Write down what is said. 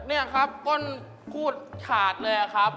นี่ครับต้นพูดขาดเลยครับ